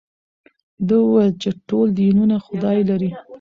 ده وویل چې ټول دینونه خدای لري.